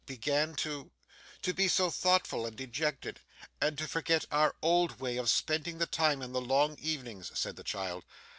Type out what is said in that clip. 'Began to ' 'To be so thoughtful and dejected, and to forget our old way of spending the time in the long evenings,' said the child.